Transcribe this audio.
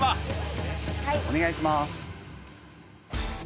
お願いします。